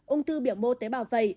ung thư biểu mô tế bào vầy